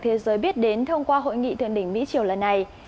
thế giới biết đến thông qua hội nghị thượng đỉnh mỹ triều lần này